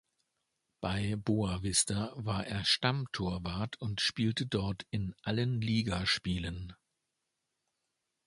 Bei Boavista war er Stammtorwart und spielte dort in allen Ligaspielen.